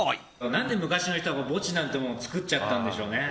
何で昔の人は墓地なんてもの作っちゃったんでしょうね。